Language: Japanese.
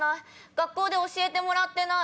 学校で教えてもらってない。